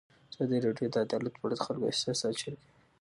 ازادي راډیو د عدالت په اړه د خلکو احساسات شریک کړي.